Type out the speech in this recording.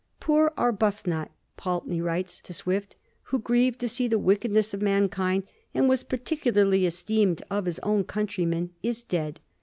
" Poor Arbuthnot," Pulteney writes to Swift, " who grieved to see the wickedness of mankind, and was particularly esteemed of his own countrymen, is dead.